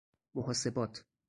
محاسبات